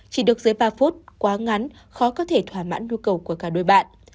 chỉ được dưới ba phút quá ngắn khó có thể thỏa mãn nhu cầu của cả đôi bạn